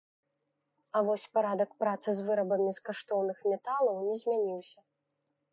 А вось парадак працы з вырабамі з каштоўных металаў не змяніўся.